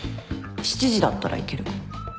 ７時だったら行けるかも。